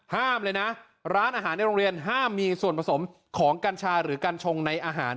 ห้ามเลยนะร้านอาหารในโรงเรียนห้ามมีส่วนผสมของกัญชาหรือกัญชงในอาหาร